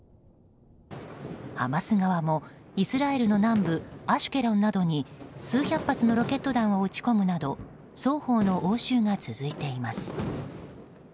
ハマス側もイスラエルの南部アシュケロンなどに数百発のロケット弾を撃ち込むなど双方の応酬が続いています。